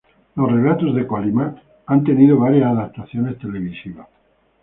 Los "Relatos de Kolymá" han tenido varias adaptaciones televisivas.